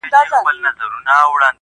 ښکارپورۍ زنه دې په ټوله انډيا کي نسته_